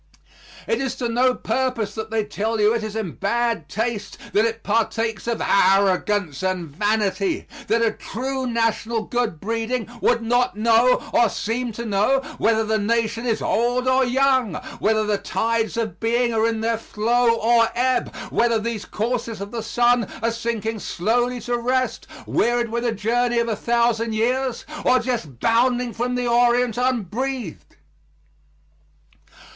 It is to no purpose that they tell you it is in bad taste; that it partakes of arrogance and vanity; that a true national good breeding would not know, or seem to know, whether the nation is old or young; whether the tides of being are in their flow or ebb; whether these coursers of the sun are sinking slowly to rest, wearied with a journey of a thousand years, or just bounding from the Orient unbreathed.